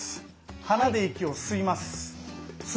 鼻で息を吸います。